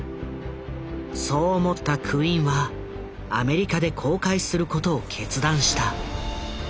そう思ったクインはアメリカで公開することを決断した。